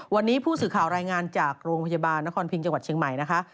วันนี้ผู้สื่อข่าวรายงานจากโรงพยาบาลนครพิงจังหวัดเชียงใหม่นะคะ